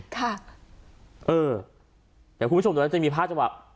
เดี๋ยวคุณผู้ชมตรงนั้นจะมีภาพจังหวะ